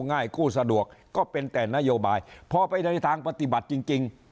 ง่ายกู้สะดวกก็เป็นแต่นโยบายพอไปในทางปฏิบัติจริง